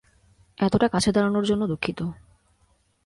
এতটা কাছে দাঁড়ানোর জন্য দুঃখিত।